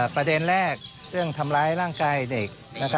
ประเด็นแรกเรื่องทำร้ายร่างกายเด็ก